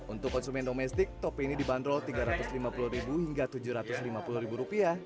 untuk konsumen domestik topi ini dibanderol rp tiga ratus lima puluh hingga rp tujuh ratus lima puluh